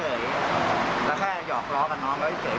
เราแค่หยอกร้อกับน้องเท่า